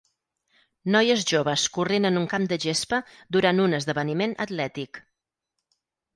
Noies joves corrent en un camp de gespa durant un esdeveniment atlètic.